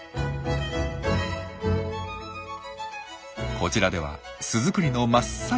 こちらでは巣作りの真っ最中。